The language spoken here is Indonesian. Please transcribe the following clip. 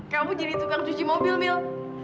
kamu jadi tukang cuci mobil mil